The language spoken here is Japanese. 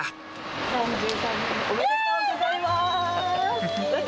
３３年おめでとうございます。